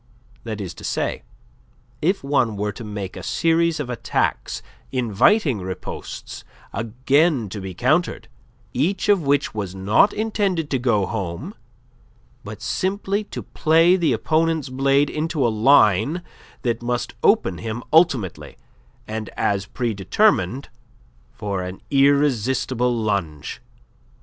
That is to say, if one were to make a series of attacks inviting ripostes again to be countered, each of which was not intended to go home, but simply to play the opponent's blade into a line that must open him ultimately, and as predetermined, for an irresistible lunge.